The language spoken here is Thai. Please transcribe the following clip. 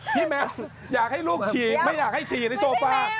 แมวอยากให้ลูกฉีกไม่อยากให้ฉี่ในโซฟา